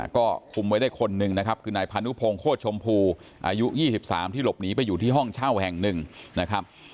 ก็คุมไว้ได้คนหนึ่งนะครับคือนายพานุพงโคตรชมพูอายุ๒๓ที่หลบหนีไปอยู่ที่ห้องเช่าแห่งหนึ่งนะครับ